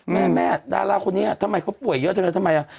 แม่แม่ดาราคนนี้ทำไมเขาป่วยเยอะจังเลยทำไม